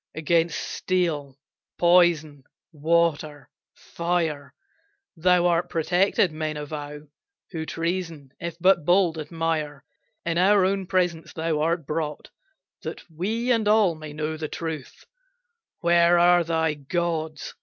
Against steel, poison, water, fire, Thou art protected, men avow Who treason, if but bold, admire. In our own presence thou art brought That we and all may know the truth Where are thy gods?